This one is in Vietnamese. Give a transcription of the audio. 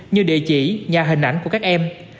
như địa chỉ nhà hình ảnh của các em